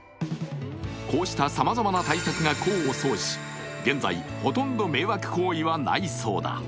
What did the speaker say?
こうしたさまざまな対策が功を奏し、現在、ほとんど迷惑行為はないそうだ。